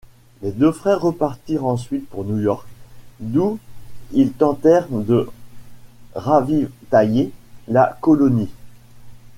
Les deux frères repartirent ensuite pour New-York, d'où ils tentèrent de ravitailler la colonie.